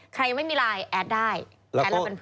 ใครไม่มีไลน์แอดได้แอดเราเป็นเพื่อนได้